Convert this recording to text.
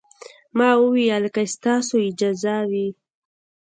ما وويل که ستاسو اجازه وي.